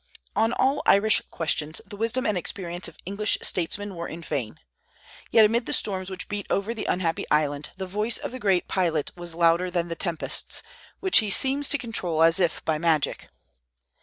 On all Irish questions the wisdom and experience of English statesmen were in vain. Yet amid the storms which beat over the unhappy island, the voice of the great pilot was louder than the tempests, which he seems to control as if by magic.